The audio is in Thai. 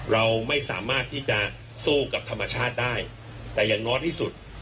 เราไม่สามารถที่จะสู้กับธรรมชาติได้แต่อย่างน้อยที่สุด